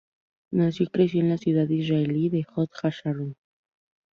Nació y creció en la ciudad israelí de Hod HaSharon.